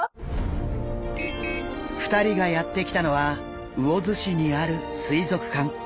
２人がやって来たのは魚津市にある水族館。